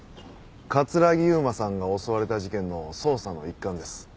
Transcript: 城悠真さんが襲われた事件の捜査の一環です。